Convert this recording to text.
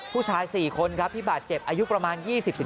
ผู้ชาย๔คนครับที่บาดเจ็บอายุประมาณ๒๓